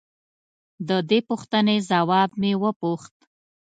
د دې پوښتنې ځواب مې وپوښت.